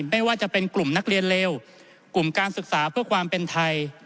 ไม่ว่าจะเป็นกลุ่มนักเรียนเลวกลุ่มการศึกษาเพื่อความเป็นไทย